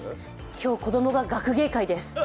今日、子供が学芸会です。